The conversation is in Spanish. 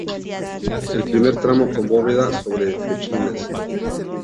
El primer tramo con bóveda sobre pechinas.